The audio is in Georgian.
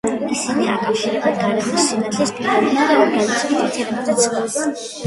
ისინი აკავშირებენ გარემოს სინათლის პირობებსა და ორგანიზმის ნივთიერებათა ცვლას.